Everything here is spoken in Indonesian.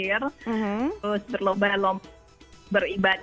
terus berlobalom beribad